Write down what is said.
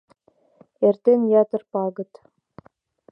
Эртен ятыр пагыт...